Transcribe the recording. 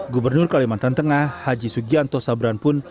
gubernur kalimantan tengah haji sugianto sabran pun